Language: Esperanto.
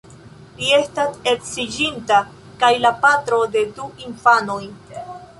Li estas edziĝinta, kaj la patro de du infanoj.